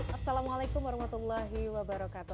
assalamualaikum warahmatullahi wabarakatuh